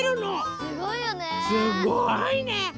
すごいね。